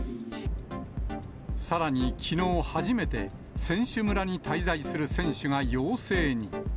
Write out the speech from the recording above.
さらにきのう初めて、選手村に滞在する選手が陽性に。